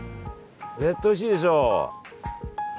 絶対おいしいでしょう。